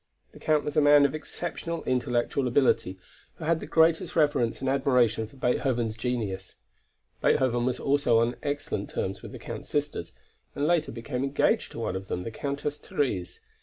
The Count was a man of exceptional intellectual ability, who had the greatest reverence and admiration for Beethoven's genius. Beethoven was also on excellent terms with the Count's sisters, and later became engaged to one of them, the Countess Therese.